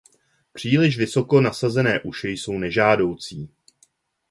Příliš vysoko nasazené uši jsou nežádoucí.